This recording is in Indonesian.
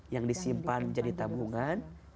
yang disimpan jadi tabungan